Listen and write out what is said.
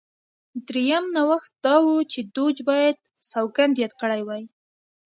درېیم نوښت دا و چې دوج باید سوګند یاد کړی وای